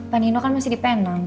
penino kan masih di penang